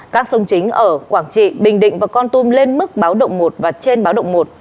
các sông chính ở quảng trị bình định và con tum lên mức báo động một và trên báo động một